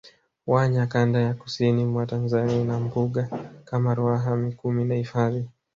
wanya kanda ya kusini mwa Tanzania ina Mbuga kama Ruaha Mikumi na hifadhi